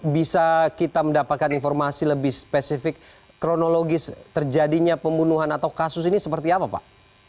bisa kita mendapatkan informasi lebih spesifik kronologis terjadinya pembunuhan atau kasus ini seperti apa pak